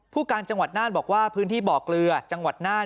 การจังหวัดน่านบอกว่าพื้นที่บ่อเกลือจังหวัดน่าน